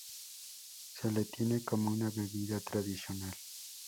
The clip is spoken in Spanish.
Se le tiene como una bebida tradicional.